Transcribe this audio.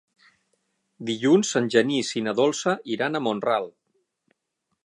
Dilluns en Genís i na Dolça iran a Mont-ral.